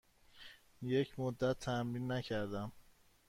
یک مدت تمرین نکردم.